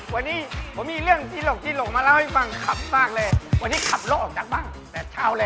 วันนี้ผมมีเรื่องจีนหลอกจีนหลงมาแล้วให้ฟังครับมากเลย